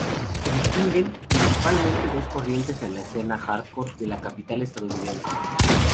Se distinguen, principalmente, dos corrientes en la escena hardcore de la capital estadounidense.